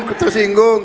ketua umum tersinggung